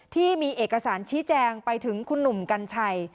ที่มีเอกสารชี้แจงไปถึงคุณหนุ่มกัญชัย